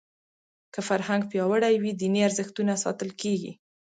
که فرهنګ پیاوړی وي دیني ارزښتونه ساتل کېږي.